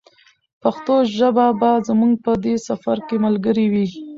پښتو ژبه به زموږ په دې سفر کې ملګرې وي.